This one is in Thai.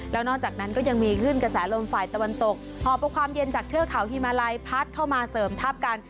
แล้วนอกจากนั้นก็ยังมีขึ้นกระแสลมฝ่ายตะวันตกหอบเอาความเย็นจากเทือกเขาฮิมาลัยพัดเข้ามาเสริมทับกัน